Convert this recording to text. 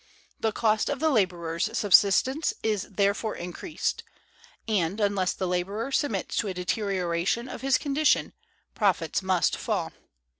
The cost of the laborer's subsistence is therefore increased, and, unless the laborer submits to a deterioration of his condition, profits must fall.